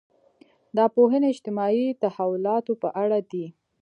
دا پوهنې اجتماعي تحولاتو په اړه دي.